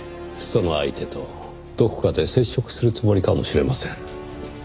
その相手とどこかで接触するつもりかもしれません。